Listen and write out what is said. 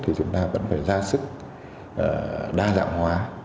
thì chúng ta vẫn phải ra sức đa dạng hóa